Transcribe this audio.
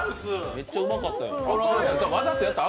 めっちゃうまかった。